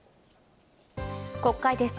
国会です。